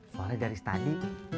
soalnya dari tadi